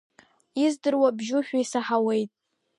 Издыруа бжьушәа исаҳауеит.